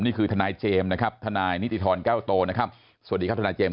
นี่คือทนายเจมส์นะครับทนายนิติธรแก้วโตนะครับสวัสดีครับทนายเจมส